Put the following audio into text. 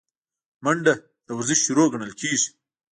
منډه د ورزش شروع ګڼل کېږي